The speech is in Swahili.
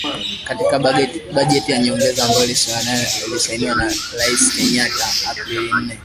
Katika bajeti ya nyongeza ambayo ilisainiwa na Rais Kenyatta Aprili nne, aliidhinisha shilingi bilioni thelathini na nne za Kenya ( dola milioni mia mbili tisini na nane)